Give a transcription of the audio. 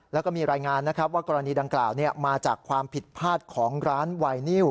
แล้วก็มีรายงานนะครับว่ากรณีดังกล่าวมาจากความผิดพลาดของร้านไวนิว